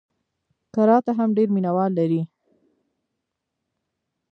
کراته هم ډېر مینه وال لري.